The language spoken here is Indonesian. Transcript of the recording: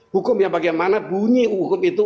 hukum ya bagaimana bunyi hukum itu